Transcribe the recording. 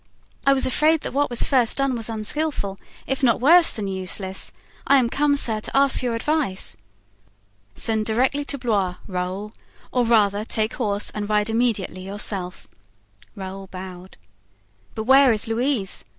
I am afraid that what was first done was unskillful, if not worse than useless. I am come, sir, to ask your advice." "Send directly to Blois, Raoul; or, rather, take horse and ride immediately yourself." Raoul bowed. "But where is Louise?"